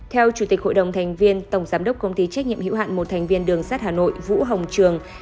theo chủ tịch hội đồng thành viên tổng giám đốc công ty trách nhiệm hữu hạn một thành viên đường sát hà nội vũ hồng trường